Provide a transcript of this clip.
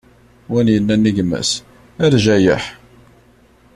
Win yennan i gma-s: A lǧayeḥ!